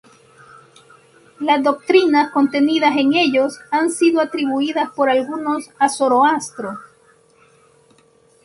Las doctrinas contenidas en ellos han sido atribuidas por algunos a Zoroastro.